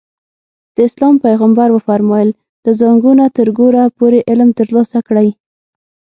د اسلام پیغمبر وفرمایل له زانګو نه تر ګوره پورې علم ترلاسه کړئ.